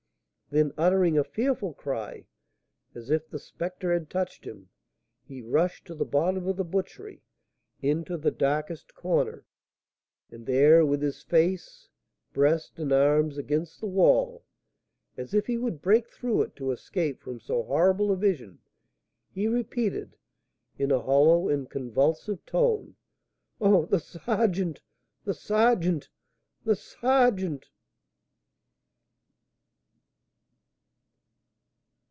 Then uttering a fearful cry, as if the spectre had touched him, he rushed to the bottom of the butchery, into the darkest corner; and there, with his face, breast, and arms against the wall, as if he would break through it to escape from so horrible a vision, he repeated, in a hollow and convulsive tone, "Oh, the sergeant! the sergeant! the sergeant!"